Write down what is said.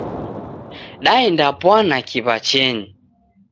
Daendapwana kiw'achenyi.